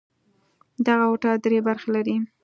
دغه هوټل درې برخې لري.